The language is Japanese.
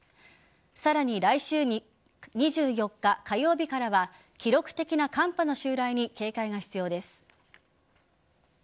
さらに来週２４日火曜日からは記録的な寒波の襲来に警戒が必要です。